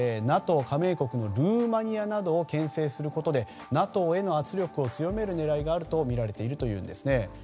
加盟国のルーマニアなどを牽制することでＮＡＴＯへの圧力を強める狙いがあるとみられているというんですね。